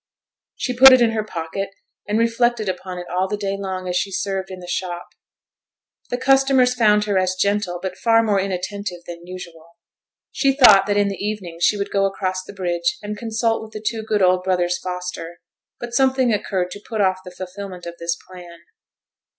She put it in her pocket, and reflected upon it all the day long as she served in the shop. The customers found her as gentle, but far more inattentive than usual. She thought that in the evening she would go across the bridge, and consult with the two good old brothers Foster. But something occurred to put off the fulfilment of this plan.